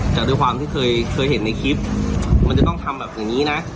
แต่ด้วยความที่เคยเห็นในคลิปมันจะต้องทำแบบอย่างนี้นะ